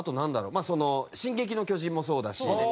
まあその『進撃の巨人』もそうだし。